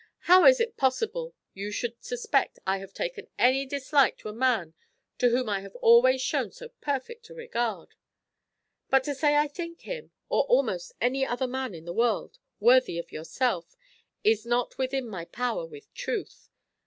How is it possible you should suspect I had taken any dislike to a man to whom I have always shewn so perfect a regard; but to say I think him, or almost any other man in the world, worthy of yourself, is not within my power with truth.